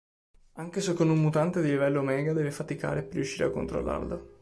Anche se con un mutante di livello omega deve faticare per riuscire a controllarlo.